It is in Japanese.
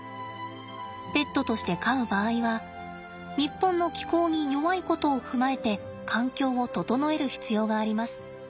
ペットとして飼う場合は日本の気候に弱いことを踏まえて環境を整える必要があります。